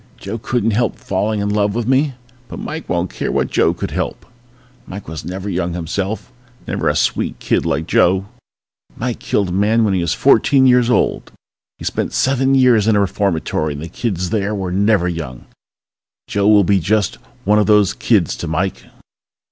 Joe couldn't help falling in love with me, but Mike won't care what Joe could help! Mike was never young himself, never a sweet kid like Joe!_ _Mike killed a man when he was fourteen years old! He spent seven years in a reformatory and the kids there were never young. Joe will be just one of those kids to Mike